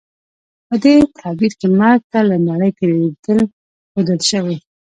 په دې تعبیر کې مرګ ته له نړۍ تېرېدل ښودل شوي.